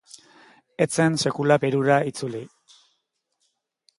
Ez zen sekula Perura itzuli.